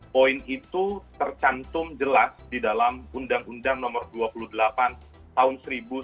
poin itu tercantum jelas di dalam undang undang nomor dua puluh delapan tahun seribu sembilan ratus sembilan puluh